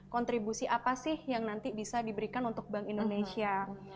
kontribusi apa sih yang nanti bisa diberikan untuk bank indonesia